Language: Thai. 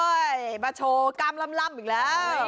โอ้ยมาโชว์กรรมลำอีกแล้ว